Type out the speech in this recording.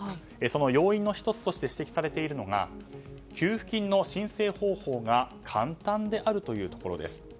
その要因の１つとして指摘されているのが給付金の申請方法が簡単であるというところです。